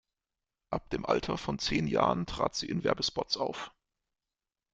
Ab dem Alter von zehn Jahren trat sie in Werbespots auf.